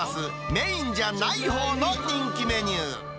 メインじゃないほうの人気メニュー。